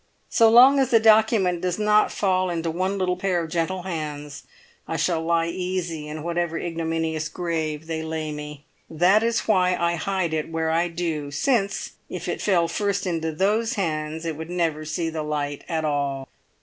So long as the document does not fall into one little pair of gentle hands, I shall lie easy in whatever ignominious grave they lay me. That is why I hide it where I do: since, if it fell first into those hands, it would never see the light at all."